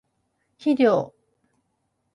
肥料